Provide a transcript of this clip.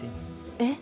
えっ？